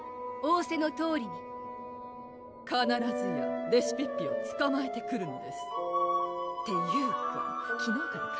おおせのとおりにかならずやレシピッピをつかまえてくるのですっていうか